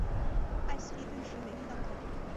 艾希莉顿时霉运当头。